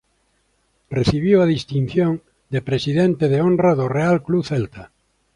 Recibiu a distinción de presidente de hora do Real Club Celta.